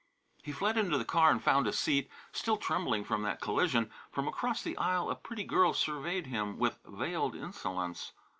He fled into the car and found a seat, still trembling from that collision. From across the aisle a pretty girl surveyed him with veiled insolence.